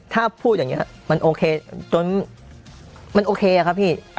ถ้าพูดอย่างนี้มันโอเคจนมันโอเคอะครับพี่